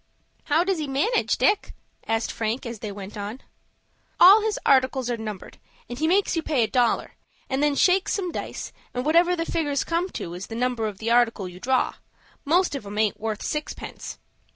"How does he manage, Dick?" asked Frank, as they went on. "All his articles are numbered, and he makes you pay a dollar, and then shakes some dice, and whatever the figgers come to, is the number of the article you draw. Most of 'em aint worth sixpence."